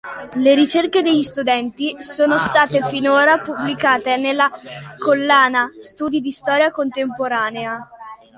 Le ricerche degli studenti sono state finora pubblicate nella collana "Studi di storia contemporanea".